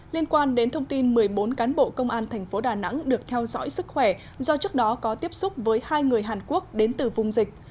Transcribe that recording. liên quan đến thông tin một mươi bốn cán bộ công an thành phố đà nẵng được theo dõi sức khỏe do trước đó có tiếp xúc với hai người hàn quốc đến từ vùng dịch